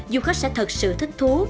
du khách sẽ thật sự thích thú